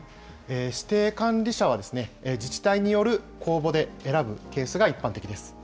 指定管理者は、自治体による公募で選ぶケースが一般的です。